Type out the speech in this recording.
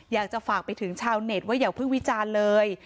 อยากจะฝากไปถึงชาวเน็ตว่าอย่าเพิ่งวิจารณ์เลย